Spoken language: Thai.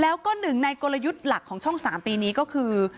แล้วก็หนึ่งในกลยุทธ์หลักของช่อง๓ปีนี้ก็คือ